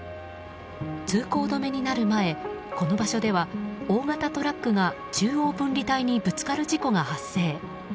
通行止めになる前、この場所では大型トラックが中央分離帯にぶつかる事故が発生。